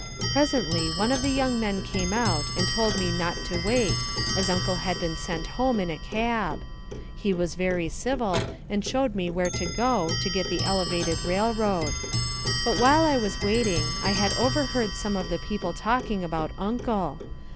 Presently one of the young men came out and told me not to wait, as Uncle had been sent home in a cab. He was very civil and showed me where to go to get the elevated railroad. But while I was waiting I had overheard some of the people talking about Uncle.